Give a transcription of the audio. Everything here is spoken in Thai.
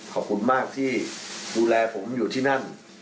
ขอบคุณมากที่ดูแลผมอยู่ที่นั่น